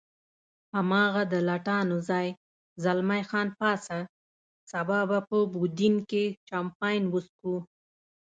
هماغه د لټانو ځای، زلمی خان پاڅه، سبا به په یوډین کې چامپېن وڅښو.